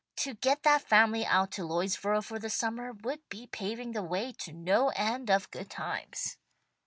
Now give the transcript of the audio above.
To get that family out to Lloydsboro for the summer would be paving the way to no end of good times."